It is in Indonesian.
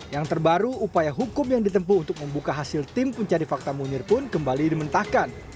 yang terbaru upaya hukum yang ditempu untuk membuka hasil tim pencari fakta munir pun kembali dimentahkan